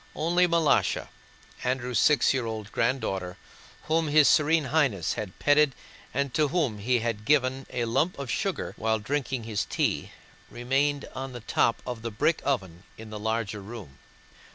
Only Malásha, Andrew's six year old granddaughter whom his Serene Highness had petted and to whom he had given a lump of sugar while drinking his tea, remained on the top of the brick oven in the larger room.